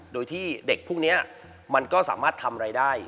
โดยที่เด็กพวกนี้มันก็สามารถทำอะไรได้